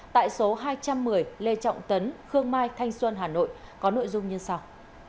tại số hai trăm một mươi lê trọng tấn khương mai thanh xuân hà nội có nội dung như sau